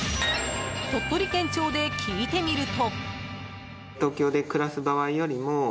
鳥取県庁で聞いてみると。